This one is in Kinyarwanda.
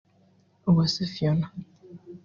Uwase Phiona